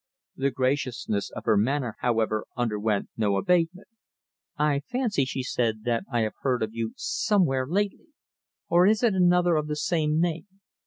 The graciousness of her manner, however, underwent no abatement. "I fancy," she said, "that I have heard of you somewhere lately, or is it another of the same name?